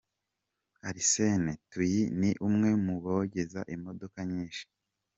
Arsene Tuyi ni umwe mu bogeze imodoka nyinshi.